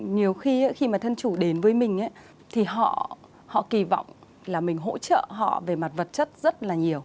nhiều khi mà thân chủ đến với mình thì họ kỳ vọng là mình hỗ trợ họ về mặt vật chất rất là nhiều